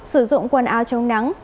sử dụng quần áo chống nắng